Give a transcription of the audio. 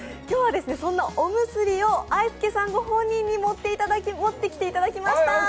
今日は、そんなおむすびをあいすけさんご本人に持ってきていただきました。